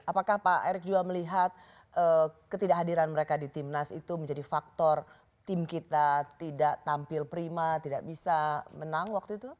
apakah pak erick juga melihat ketidakhadiran mereka di timnas itu menjadi faktor tim kita tidak tampil prima tidak bisa menang waktu itu